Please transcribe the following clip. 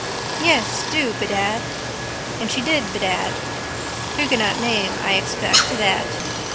Yes, do bedad. And she did bedad. Huguenot name I expect that.